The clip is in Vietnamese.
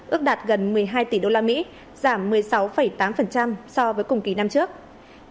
ước đạt gần một mươi hai tỷ đô la mỹ giảm một mươi sáu tám so với cùng kỳ năm trước